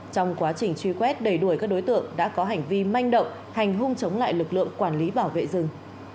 trong quá trình truy quét đẩy đuổi các đối tượng đã có hành vi manh động hành hung chống lại lực lượng quản lý bảo vệ rừng